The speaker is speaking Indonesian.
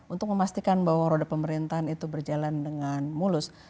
untuk memastikan bahwa roda pemerintahan itu berjalan dengan mulus